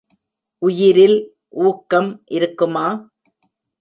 உயிரில் ஊக்கம் இருக்குமா?